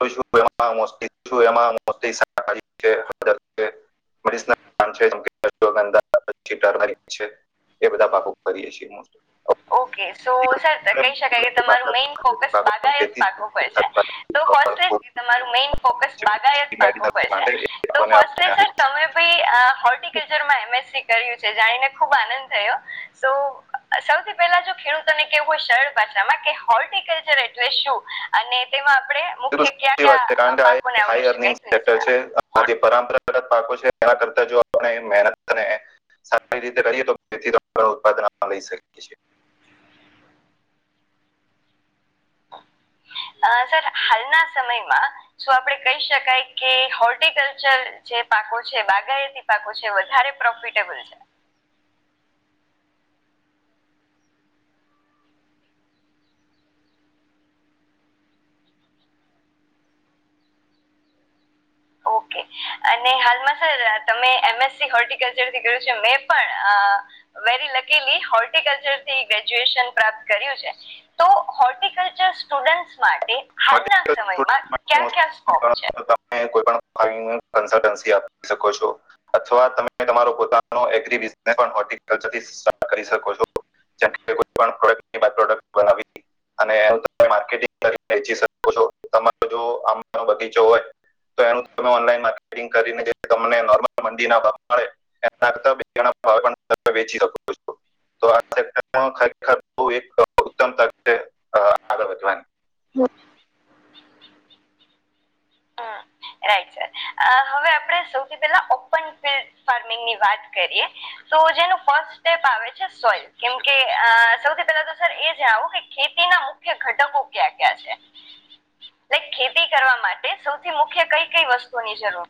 સ્માં [unintelligible] મરીષ ના નામ છે. ા પ એ બધા પાકો કરીએે છીએ [unintelligible] ઓકે સો સર કહી શકાય કે તમારું મેઈન ફોકસ બાગાયત પાક ઉપર છે. તો ો ફર્સ્ટલી [unintelligible] તમારું મેઇન ફોકસ બાગાયત પાકો પર છે, માટે એ તો લોકોને આપણે ફર્સ્ટલી સર આપીએ છીએ. તમે બી હોર્ટિકલ છે જાણીને ખુબ આનંદ થયો. પેલા જો ખેડૂતોને કેવું હોય સરળ ભાષામાં કે હોર્ટિકલ્ચર એટલે શું? અને તેમાં આપણે મુખ્ય કયા લી વાત કયા છે અ, કારણ કે આ પાકોને એક હાઈ આવરી અર્નિંગ શકાય તો એ સેક્ટર જણાવો છે જે પરંપરાગત પાકો છે. [unintelligible] એના કરતા જો આપ મહેનતને. [unintelligible] સારી રીતે કરીએ તો તેથી ઉત્પાદન લઈ શકીએ છીએ. [inaudible] હા. સર હાલના સમયમાં શું આપણેે કહી શકાય કે હોર્ટિકલ્ચર પાકો છે બાગાયતી પાકો છે વધારે પ્રોફિટેબલ છે. ઓકે. અને હાલમાં સર તમે એમ એસ સી હોર્ટિકલ્ચર થી કર્યું છે મેં પણ લખેલી હોર્ટિકલ્ચર થી ગ્રેજ્યુએશન પ્રાપ્ત કર્યું છે, તો હોર્ટિકલ્ચર સ્ટુડન્ટ માટે હાલના વર્ટિકલ સમયમાં સ્ટુડન્ટ માટે ક્યા મોસ્ટલી ક્યાં સ્કોપ છે? તમે કોઈ પણ શકો છો અથવા તમે તમારો પોનો [unintelligible] કલ્ચર થી સ્ટાર્ટ કરી શકો છો. ોનાર્ટંગ. [unintelligible] વેચી શકો છો તમારો જો આમ બગીચો હોય. તો એનું ઓનલાઇન માર્કેટિંગ કરીને તમને નોર્મલ મંદીના ભાવ મળે એના કર હા પણ ત વેચી શકો છો. તો આ સેક્ટર ખરેખર બ એક ઉત્તમ ત આગળ વધવાની, હમ્મ હમ રાઈટ સર હવે આપણે સૌથી પેલા ઓપન ફિલ્ડ ફાર્મિંગની વાત કરીએ, તો જેનું ફસ્ટ સ્ટેપ આવે છે, સોઈલ કેમકે સૌથી પહેલા તો સર એ જા આવું કે, ખેતી મુખ્ય ઘટકો ક્યાં ક્યા છે? ખેતી કરવા માટે સૌથી મુખ્ય કઈ કઈ વસ્તુની જરૂર?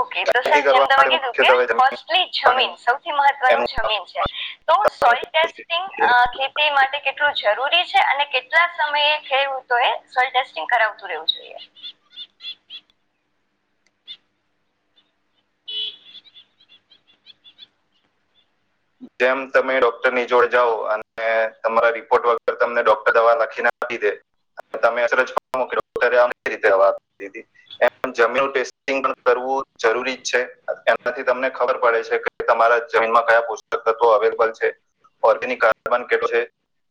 ઓકે તો ખેતી સર જેમ કરવા તમે માટે કીધું કે મુખ્યત્વે જમીન ફસ્ટલી પાણી જમીન સૌથી એનું મહત્વનું જમીન છે, તો સોઈલ ટેસ્ટિંગ ખેતી માટે કેટલા કેટલું જરૂરી છે અને કેટલા સમયે ખેડૂતો એ સોલ ટેસ્ટિંગ કરાવતું રહેવું જોઈએ? [unintelligible] જેમ તમે ડોક્ટરની જોડ જાઓ અને તમારા રિપોર્ટ વગર તમને ડોક્ટર દવા લખી નાખ એ [unintelligible] જરી છે, એનાથી તમને ખબર પડે છે કે તમારા જમીનમાં ક પ [unintelligible] અવેલેબલ છે ઓર્ગેનિક કાર્બન કે છે,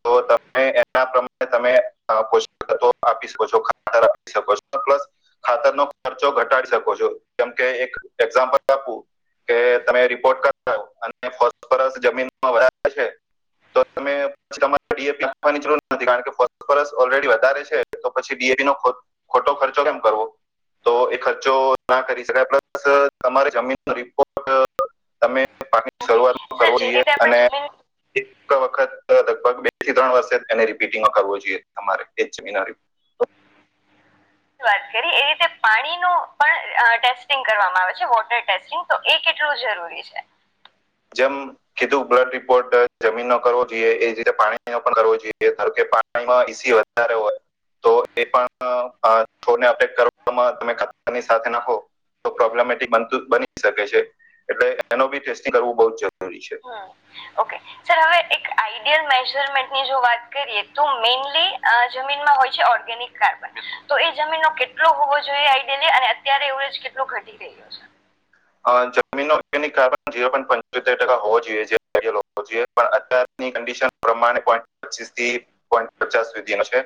તો તમે એના પ્રમાણે તમે [unintelligible] આપી શકો છો ખા [unintelligible] આપી શકો છો પ્લસ ખાતર ન ખર્ચો ઘટાડી શકો છો, જેમકે એક એક્ઝામ્પલ આપુ કે તમે રિપોર્ટ કરાવ અને ફોસ્ફરસ જમીનમાં વધારે છે, તો તમે [unintelligible] ડિ. એ. પી ની જરૂર નથી, કારણ ફોસ્ફરસ ઓલરેડી વધારે છે તો પછી ડી. એ. પી ખોટો ખર્ચો કેમ કરવો [unintelligible] તો એ ખર્ચો ના કરી શકાય પ્લસ તમારી જમીન ન રિપોર્ટ તમે પાકની ઓકે શરૂઆત કરો સર જે જોઈએ રીતે આપણે અને જમીન એક વખત લગભગ બે થી ત્રણ વર્ષ એને રિપીટિંગમાં કરાવવો જોઈએ, તમારે એજ જમીનરી વાત કરીએ એ તે પાણી નુ પણ ટેસ્ટિંગ કરવામાં આવે છે વોટર ટેસ્ટિંગ તો એ કેટલું જરૂરી છે? [unintelligible] જેમ કીધું બ્લડ રિપોર્ટ જમીન નો કરવો જોઈએ, એ જ રીતે પાણી ન પણ કરવો જોઈએ કારણ કે પાણીમા એસી [unintelligible] તો એ પણ થોને અપેક [unintelligible] કરવામાં તમે કની [unintelligible] સાથે નાખો તો પ્રોબ્લેમેટિક બનતુ બની શકે છે, એટલે એનો બી ટેસ્ટિંગ કરવું બહ જ જરૂરી. છે હમ્મ ઓકે સર હવે એક આઈડિયલ મેઝરમેન્ટની જો વાત કરીએ તો મેઇનલી જમીનમાં હોય છે, ઓર્ગેનિક કાર્બન તો એ જમીનનો કેટલો હોવો જોઈએ? આઈડેલી અને અત્યારે એવરેજ કેટલો ઘટી રહ્યો છે? જમીનો ઓર્ગનિક કાર્બન ઝીરો પોઇન્ટ પંચોતેર ટકા હોવો [unintelligible] જોઈએ પણ અત્યારની કન્ડિશ [unintelligible] પ્રમાણે પોઇન્ટ પચીસ થી પોઈન્ટ પચાસ સુધી નો છે.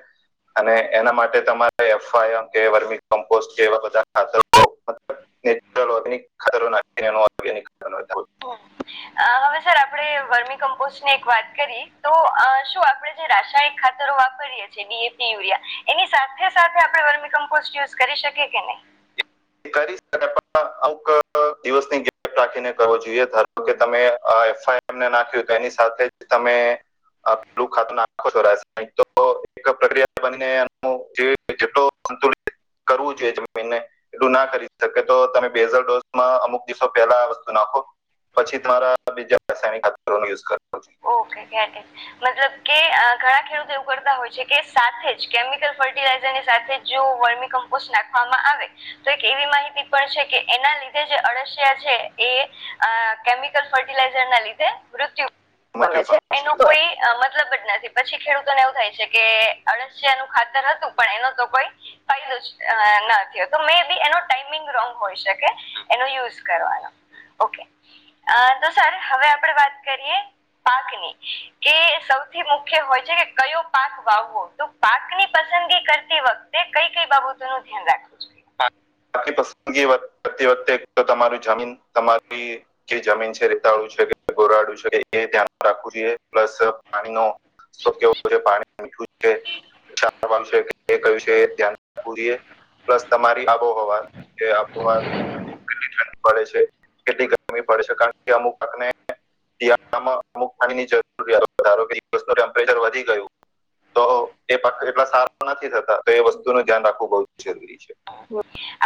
અને એના માટે તમારે એફઆમ કે વર્મી કમ્પોસ્ટ કે એવા બધા ખાતર [unintelligible] નેચરગિક ખતરો [unintelligible] હવે સર આપણે વર્મી કમ્પોસ્ટ ની એક વાત કરી તો શું આપણે જે રાસાયણ ખાતરો વાપરીએ છીએ ડી. એ. પી યુરિયા એની સાથે સાથે આપણે વર્મી કમ્પોસ્ટ યુઝ કરી શકે કેનઈ? કારી શકાયઃ પણ એવુંક દિવસની ગિફ્ટ રાખીને કરવો જોઈએ, [unintelligible] ધારો કે તમે આ એમને નાખ્યું તો એની સાથેજ તમે [unintelligible] ખાત આખો તો એક પ્રક્રિયા બનીને એ [unintelligible] સંતુલિત કરવું જોઈએ, જ એને એલું ના કરી શકે તો તમે બેઝલ ડોઝમાં અમુક દિવસો પહેલા આ વસ્તુ નાખો, પછી તમારા બીજાવો [unintelligible] જોઈએ. ઓકે ગેટ ઈટ મતલબ કે ઘણા ખેડૂતો એવું કરતા હોય છે, કે સાથે જ કેમિકલ ફર્ટિલા ઝરની સાથે જો વર્મી કમ્પોસ્ટ નાખવામાં આવે તો એક એવી માહિતી પણ છે કે એના લીધે જ જે અળસિયા છે એ કેમિકલ ફર્ટિલાઈઝર ના લીધે મૃત્યુ મળે છે તો એનો કોઈ મતલબ જ નથી. પછી ખેડૂતોને એવું થાય છે કે અળસિયા નું ખાતર હતું પણ એનો તો કોઈ ફાયદો ન થયો તો મેબી એનો ટાઈમિંગ રોંગ હોય શકે એનો યુઝ કરવાનો. ઓકે અ તો સર હવે આપણેે વાત કરીએ પાકની કે સૌથી મુખ્ય હોય છે કે કયો પાક વાવવો તો પાક ની પસંદ કરતી વખતે કઈ કઈ બાબતો નું ધ્યાન રાખવું જોઇએ. પસંદગીતી વખતે તો તમારું જમીન તમારી જે જમીન છે રેતાળું છે કે ગોરાડુંછે કે એ ધ્યાન રાખવું જોઈએ પ્લસ પાણી નો સ્ત્રોત કેવો છે પાણી મીઠું છે ક્ષારવાળું એ કય છે [unintelligible] ધ્યાન રાખવું જોઈએ પ્લસ તમારી આબોહવા જે આબોવા કેટલી ઠંડી પડે છે કેટલી ગરમી પડે છે કારણ કે અમુકને તિયાળમાં અમુક પાણીની જરૂર [unintelligible] દ ન [unintelligible] ટેમ્પરેચર વધી ગયું. તો એ પાક એટલા સારા નથી થતા તો એ વસ્તુ નું ધ્યાન રાખવું બહ જ જરૂરી છે.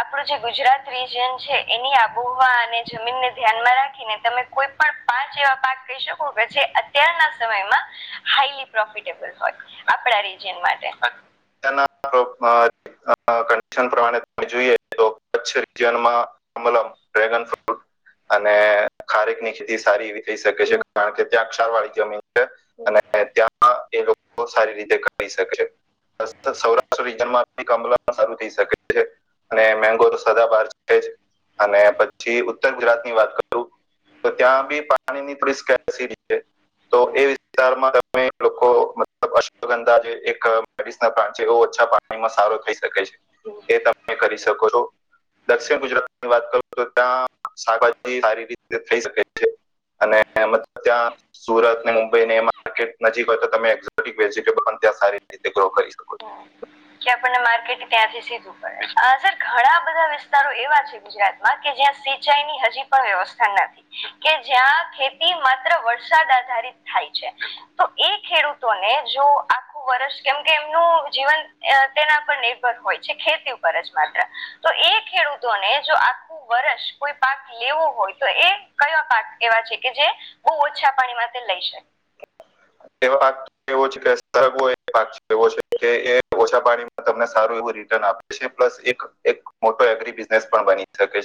આપણું જે ગુજરાત રીજન છે એની આબૂવા અને જમીનને ધ્યાનમાં રાખીને તમે કોઈ પણ પાંચ એવા પાક કહી શકો કે જે અત્યારના સમયમાં હાઈલી પ્રોફિટેબલ હોય? આપડા રીજયન માટે તેના [unintelligible] અહ [unintelligible] પ્રમાણે જોઈએ તો કચ્છ રીજન માં મતલબ ડ્રેગન ફ્રૂટ અને ખારેક ની ખેતી સારી એવી થઈ શકે છે કારણ કે ત્યાં ક્ષારવાળી જમીન છે. અને ત્યાં એ લોકો સારી રીતે કરી શકે છે. અસ્ત સૌરાષ્ટ્ર રીજનમાં [unintelligible] સારું થઈ શકે છે. અને મેંગો તો સદા બહાર છે જ અને પછી ઉત્તર ગુજરાતની વાત કરું તો ત્યાં બી પાણી ની પ્રીસ કેસી તે તો એ વિસ્તારમાં તમે લોકો મતલબ અશ અંદાજે એક [unintelligible] ઓછા પાણીમાં સારો થઈ શકે છે એ તમે કરી શકો છો. દક્ષિણ ગુજરાતની વાત કરો તો ત્યાં શાકભાજી સારી રીતે થઈ શકે છે. અને એમ ત્યાં સુરત ને મુંબઈ ને એ માર્કેટ નજીક હોય તો તમે એક્ઝોટિક વેજીટેબલ પણ ત્યાં સારી રીતે ગ્રો કરી શકો કે આપણને માર્કેટ ત્યાંથી સીધું પડે હા સર ઘણા બધા વિસ્તારો એવા છે ગુજરાતમાં કે જ્યાં સિંચાઈ ની હજી પણ વ્યવસ્થા નથી કે જ્યાં ખેતી માત્ર વળ વરસાદ આધારિત થાય છે તો એ ખેડૂતોને જો આખું વર્ષ કેમ કે નું જીવન અહ તેના પર નિર્ભર હોય છે ખેતી ઉપર જ માત્ર તો એ ખેડૂતોને જો આખું વર્ષ કોઈ પાક લેવું હોય તો એ કયા પાક એવા છે કે જે બો ઓછા પાણી માં તે લઈ શકે- એવા પાક એવોજ કેશ બધા એવો એક પાક છે એવો છે કે એ ઓછા પાણીમાં તમને સારું એવું રિટર્ન આપે છે પ્લસ એક એક મોટો એગ્રી બિઝનેસ પણ બની શકે છે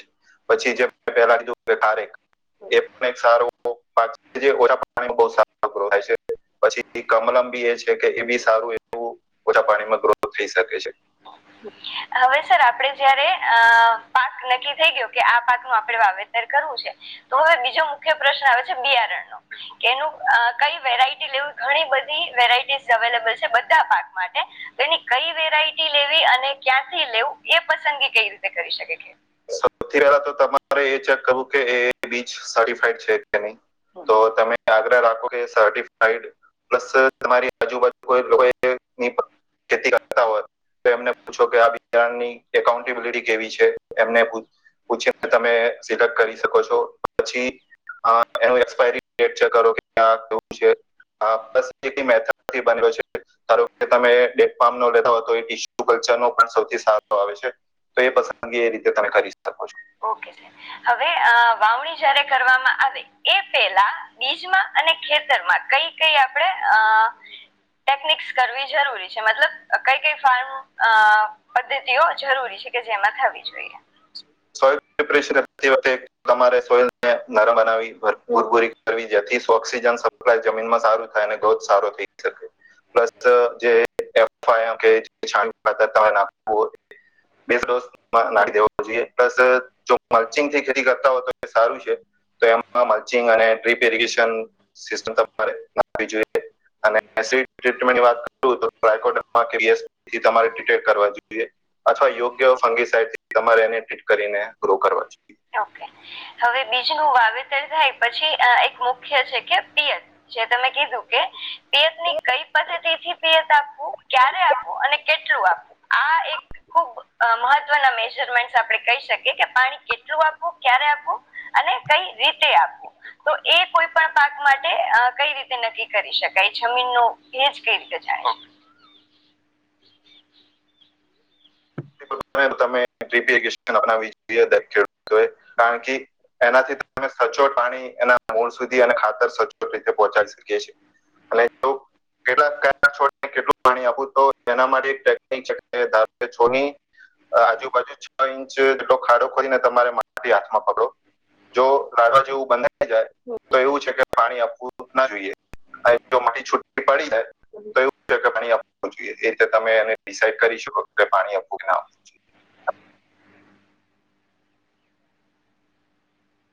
પછી જે પેલા કીધુંકે ખારેક એ પણ એક સારું પાક જે ઓછા પાણી બો સારું [unintelligible] છે પછી કમલમ બી એ છે કે એ બી સારું એવું ઓછા પાણીમાં ગ્રોથ થઈ શકે છે. હવે સર આપડે જયારે અહ, પાક નક્કી થઈ ગયો કે આ પાક નું આપડણેે વાવેતર કરવું છે. તો હવે બીજો મુખ્ય પ્રશ્ન આવે છે બિયારણ નો કે એનું કઈ વેરાયટી લેવી ઘણી બધી વેરાયટીઝ અવેલેબલ છે બધા પાક માટે તો એની કઈ વેરાયટી લેવી? અને ક્યાંથી લેવું એ પસંદગી કઈ રીતે કરી શકે? સૌથી પહેલા તો તમારે એ ચેક કરવું કે એ એ બીજ સર્ટિફાઈડ છે કે નહી? તો તમે આગ્રહ રાખો કે સર્ટિફાઈડ પ્લસ તમારી આજુબાજુ કોઈ લોકોએ [unintelligible] ખેતી કરતા આવ તો એમને પૂછો કે આ બિયારણની એકાઉન્ટેબિલિટી કેવી છે? એમને પૂછીને તમે સિલેક્ટ કરી શકો છો, પછી હા એનું એક્સપાયરી ડેટ ચેક કરો કે આ કેવું છે. આ બસ એ એક મેથડ થી બનેલો છે ધારો કે તમે એ એક ફાર્મ નો લેતા હો તો એ ઇસ્યુ કર તેનો પણ સૌથી સારો આવે છે. તો એ પસંદગી એ રીતે તમે કરી શકો છો. ઓકે હવે અહ વાવણી જયારે કરવામાં આવે એ પેલા બીજમાં અને ખેતરમાં કઈ કઈ આપડે અહ ટેકનિકસ કરવી જરૂરી છે મતલબ કઈ કઈ ફાર્મ અ પદ્ધતિઓ જરૂરી છે? કે જેમાં થવી જોઈએ. [inaudible] [unintelligible] એ વખતે તમારે સોઈલ ને નરમ બનાવી ભરપુર [unintelligible] કરવી જેથી [unintelligible] જેમ સપ્લાય જમીનમાં સારું થાય અને ધોધ સારો થઈ શકે. પ્લસ જે [unintelligible] બેસ ડોસ માં નાખી દેવો જોઈએ પ્લસ જો માર્ચિગ થી ખેતી કરતા હોય તો તે સારું છે. તો એમાં મલ્ચિંગ અને ટ્રીપ ઇરગેશન સિસ્ટમ તમારે આપવી જોઈએ. અનેમેની વાત [unintelligible] [unintelligible] ટમે કરવા જોઈએ. અથવા યોગ્ય ફંગીસઇડથી તમારે એને [unintelligible] કરીને ગ્રો કરવા જો. ઓકે હવે બીજનું વાવેતર થાય પછી એક મુખ્ય છે કે પિયત તમે કીધું કે પિયત ની કઈ પદ્ધતિ થી પિયત આપવું ક્યારે આપવું અને કેટલા આ એક મહત્વના મેજરમેન્ટ આપણે કહી શકીએ કે પાણી કેટલા શું આપવું ક્યારે આપવું અને કઈ રીતે આપવું. તો એ કોઈ પણ પાક માટે કઈ રીતે નક્કી કરી શકાય જમીન ન ભેજ કઈ રીતે હ [unintelligible] કારણ કે એનાથી તમે સચોટ પાણી એના મૂળ સુધી અને ખાતર સચોટ રીતે પહોંચાડી શકીએ છીએ અને કેટ છ કેટલું પાણી આપું તો એના માટે [unintelligible] કે છોની આજુબાજુ છ ઇંચ જેટલો ખાડો ખોરીને તમારે માટી હાથમાં પકડો. જો લાડવા જેવું બંધઈ જાય તો એવું છે કે પાણી આપવું ના જોઈએ. જો મારી છુી પડી જાય તો એ કેવું જોઈએ એ રીતે તમે એને ડિસાઈડ કરી શકો છો. પાણી આપવું કે ના આપવું જોઈએ.